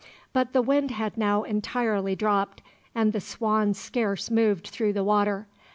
But the wind had now entirely dropped, and the Swan scarce moved through the water.